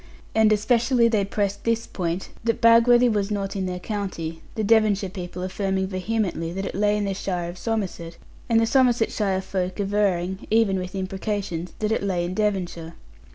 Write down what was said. And especially they pressed this point, that Bagworthy was not in their county; the Devonshire people affirming vehemently that it lay in the shire of Somerset, and the Somersetshire folk averring, even with imprecations, that it lay in Devonshire.